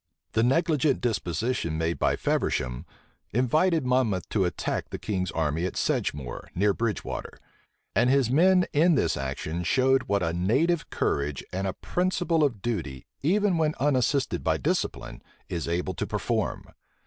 The negligent disposition made by Feversham, invited Monmouth to attack the king's army at Sedgemoor, near Bridgewater; and his men in this action showed what a native courage and a principle of duty, even when unassisted by discipline, is able to perform.